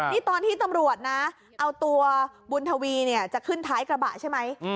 นี่ตอนที่ตำรวจนะเอาตัวบุญทวีเนี่ยจะขึ้นท้ายกระบะใช่ไหม